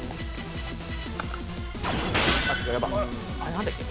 何だっけ？